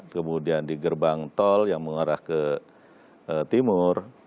kemudian di gerbang tol yang mengarah ke timur